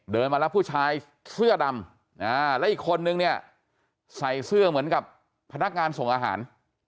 มารับผู้ชายเสื้อดำแล้วอีกคนนึงเนี่ยใส่เสื้อเหมือนกับพนักงานส่งอาหาร